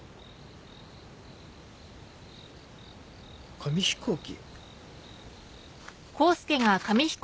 紙飛行機？